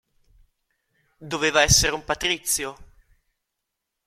Doveva essere un patrizio.